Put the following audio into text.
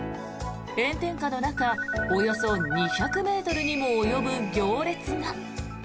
炎天下の中およそ２００ｍにも及ぶ行列が。